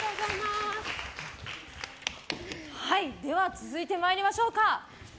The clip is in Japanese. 続いて参りましょうか。